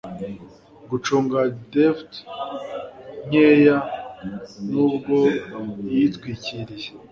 Gucunga deft nkeya nubwo yitwikiriye